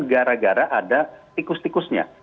gara gara ada tikus tikusnya